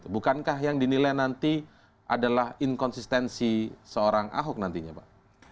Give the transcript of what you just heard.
bukankah yang dinilai nanti adalah inkonsistensi seorang ahok nantinya pak